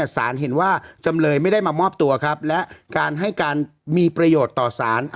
สารเห็นว่าจำเลยไม่ได้มามอบตัวครับและการให้การมีประโยชน์ต่อสาร